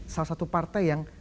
salah satu partai yang